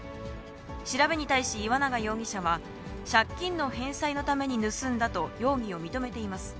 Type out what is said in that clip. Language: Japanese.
調べに対し岩永容疑者は、借金の返済のために盗んだと、容疑を認めています。